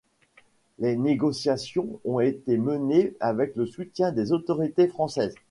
Les négociations ont été menées avec le soutien des autorités françaises.